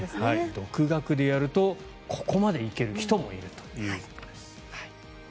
独学でやるとここまで行ける人もいるという。